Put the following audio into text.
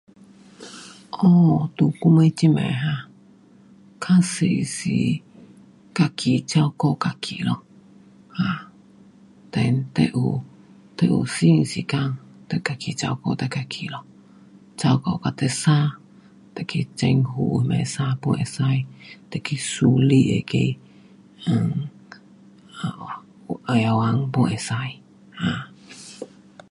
um 在我们这边哈？较多是自己照顾自己咯。[um]then 你有，你有身的时间，自己照顾自己咯。照顾到你生，你去政府那边生 pun 可以。你去私人那个 um um 啊药房 pun 可以。um